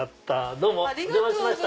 どうもお邪魔しました。